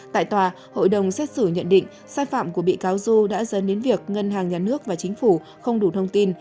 tại tòa hội đồng xét xử nhận định sai phạm của bị cáo du đã dẫn đến việc ngân hàng nhà nước và chính phủ không đủ thông tin